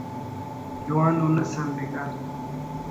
جوان ءُ نثر نگار